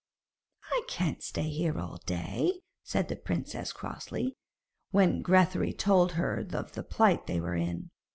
'I can't stay here all day,' said the princess, crossly, when Grethari told her of the plight they were in.